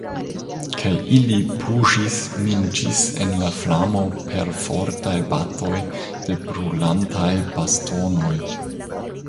Kaj ili puŝis min ĝis en la flamo per fortaj batoj de brulantaj bastonoj.